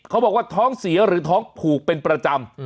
เขาบอกว่าท้องเสียหรือท้องผูกเป็นประจำ